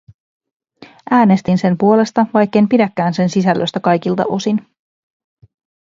Äänestin sen puolesta, vaikken pidäkään sen sisällöstä kaikilta osin.